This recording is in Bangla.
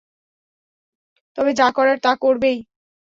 তবে যা করার তা করবেই।